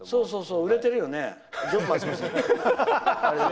そうそう、売れてるよね。